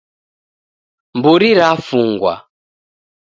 Mburi rafungwa